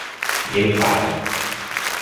Gimme five.